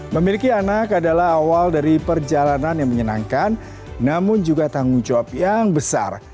memiliki anak adalah awal dari perjalanan yang menyenangkan namun juga tanggung jawab yang besar